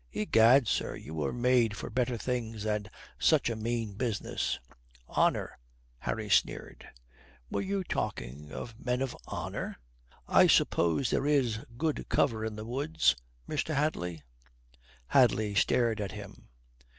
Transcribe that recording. Egad, sir, you were made for better things than such a mean business." "Honour!" Harry sneered. "Were you talking of men of honour? I suppose there is good cover in the woods, Mr. Hadley." Hadley stared at him.